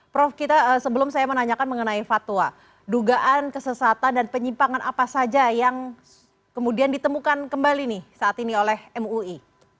prof kita sebelum saya menanyakan mengenai fatwa dugaan kesesatan dan penyimpangan apa saja yang kemudian ditemukan kembali nih saat ini oleh mui